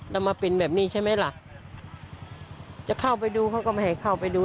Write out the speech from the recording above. แล้วมาเป็นแบบนี้ใช่ไหมล่ะจะเข้าไปดูเขาก็ไม่ให้เข้าไปดู